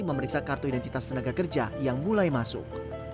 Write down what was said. memeriksa kartu identitas tenaga kerja yang mulai masuk